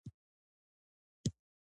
دا ځکه چې مجرم د واکمن شخصي دښمن ګڼل کېده.